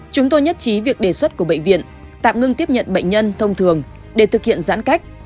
chúng tôi nhất trí việc đề xuất của bệnh viện tạm ngưng tiếp nhận bệnh nhân thông thường để thực hiện giãn cách